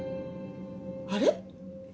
あれ？